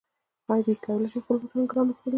آیا دی کولی شي خپل بوټان ګران وپلوري؟